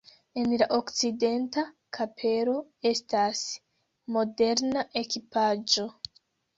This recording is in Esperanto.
En la okcidenta kapelo estas moderna ekipaĵo.